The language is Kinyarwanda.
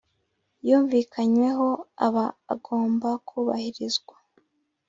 yumvikanyweho aba agomba kubahirizwa